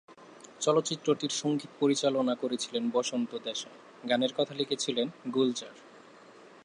চলচ্চিত্রটির সংগীত পরিচালনা করেছিলেন বসন্ত দেশাই, গানের কথা লিখেছিলেন গুলজার।